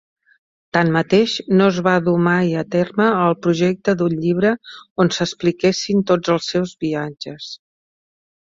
Tanmateix, no es va dur mai a terme el projecte d'un llibre on s'expliquessin tots els seus viatges.